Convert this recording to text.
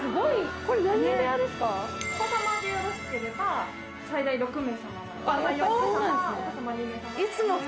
いつも。